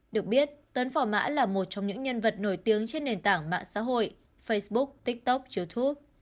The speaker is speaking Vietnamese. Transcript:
được biết tấn phò mã là một trong những nhân vật nổi tiếng trên nền tảng mạng xã hội facebook tiktok youtube